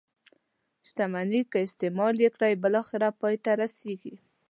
شتمني که استعمال یې کړئ بالاخره پای ته رسيږي.